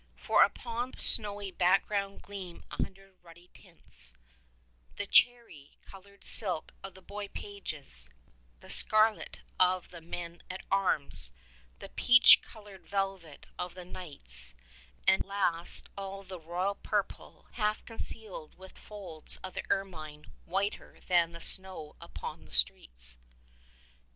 For upon the snowy background gleam a hundred ruddy tints — the cherry colored silk of the boy pages, the scarlet of the men at arms, the peach colored velvet of the knights, and last of all the royal purple, half concealed with folds of ermine whiter than the snow upon the streets.